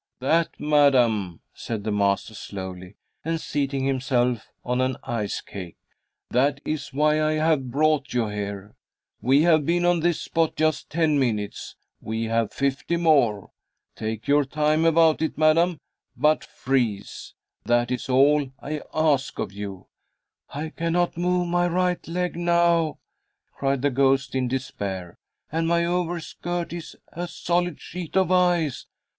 "That, madam," said the master slowly, and seating himself on an ice cake "that is why I have brought you here. We have been on this spot just ten minutes, we have fifty more. Take your time about it, madam, but freeze, that is all I ask of you." "I cannot move my right leg now," cried the ghost, in despair, "and my overskirt is a solid sheet of ice.